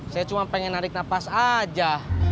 saya cuma pengen narik nafas aja